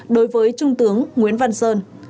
đối với trung tướng nguyễn văn sơn